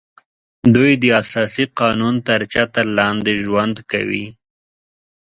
دوی د اساسي قانون تر چتر لاندې ژوند کوي